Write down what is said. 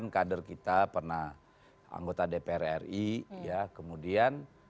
kader kita pernah anggota dpr ri ya kemudian